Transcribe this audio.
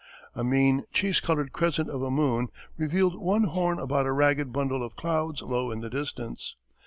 A mean, cheese coloured crescent of a moon revealed one horn above a ragged bundle of clouds low in the distance.